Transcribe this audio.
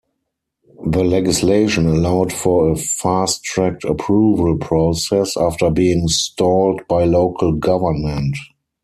The legislation allowed for a fast-tracked approval process after being stalled by local government.